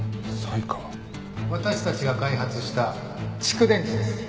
私たちが開発した蓄電池です。